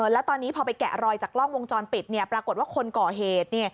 แล้วตอนนี้พอไปแกะรอยจากกล้องวงจรปิดปรากฏว่าคนก่อเหตุ